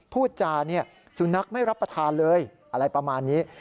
พูดจาเนี่ยสุนัขไม่รับประทานเลยอะไรประมาณนี้